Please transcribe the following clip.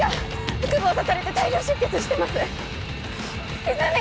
腹部を刺されて大量出血してます泉！